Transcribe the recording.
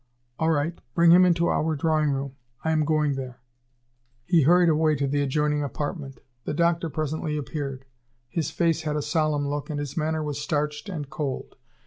"All right. Bring him into our drawing room. I am going there." He hurried away to the adjoining apartment. The doctor presently appeared. His face had a solemn look, and his manner was starched and cold.